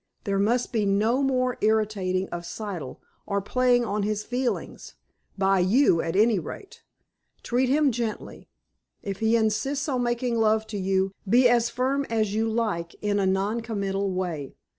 "There must be no more irritating of Siddle, or playing on his feelings—by you, at any rate. Treat him gently. If he insists on making love to you, be as firm as you like in a non committal way.